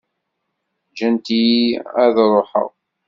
Ǧǧant-iyi ad ruḥeɣ.